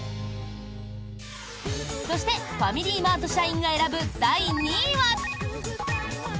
そしてファミリーマート社員が選ぶ第２位は。